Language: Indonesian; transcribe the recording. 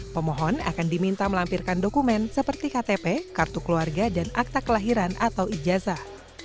pemohon akan diminta melampirkan dokumen seperti ktp kartu keluarga dan akta kelahiran atau ijazah